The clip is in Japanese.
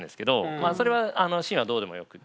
まあそれは真意はどうでもよくって。